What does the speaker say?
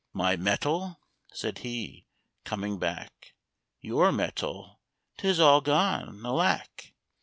"My metal?" said he, coming back. "Your metal! 'tis all gone, alack!